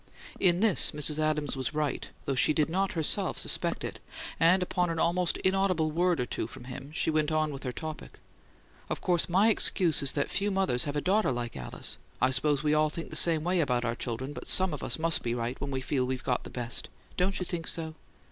In this Mrs. Adams was right, though she did not herself suspect it, and upon an almost inaudible word or two from him she went on with her topic. "Of course my excuse is that few mothers have a daughter like Alice. I suppose we all think the same way about our children, but SOME of us must be right when we feel we've got the best. Don't you think so?"